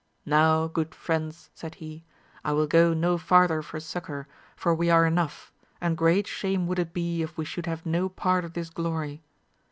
Now, good friends, said he, I will go no farther for succour, for we are enough, and great shame would it be if we should have no part of this glory